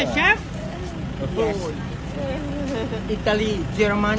เจอคนจริงนะเนี่ย